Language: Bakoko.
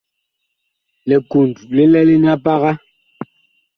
Likund li lɛlene a paga.